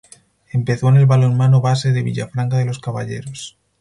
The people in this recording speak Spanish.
Empezó en el balonmano base de Villafranca de los Caballeros.